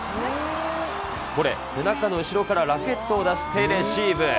これ、背中の後ろからラケットを出してレシーブ。